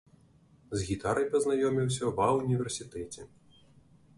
З гітарай пазнаёміўся ва ўніверсітэце.